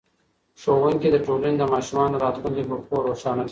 ښوونکی د ټولنې د ماشومانو راتلونکی په پوهه روښانه کوي.